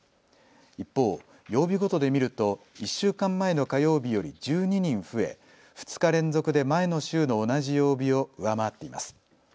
一方、曜日ごとで見ると１週間前の火曜日より１２人増え、２日連続で前の週の同じ曜日を上回っています。